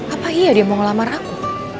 apa iya dia mau ngelamar aku